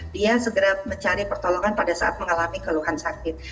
dia segera mencari pertolongan pada saat mengalami keluhan sakit